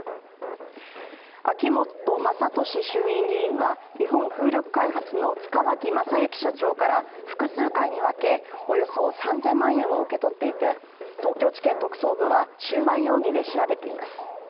秋本真利衆院議員は、日本風力開発の塚脇正幸社長から複数回に分けおよそ３０００万円を受け取っていて東京地検特捜部は収賄容疑で調べています。